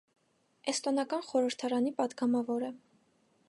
Էստոնական խորհրդարանի պատգամավոր է։